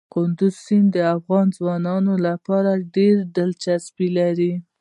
کندز سیند د افغان ځوانانو لپاره ډېره دلچسپي لري.